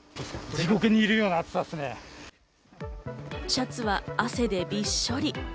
シャツは汗でびっしょり。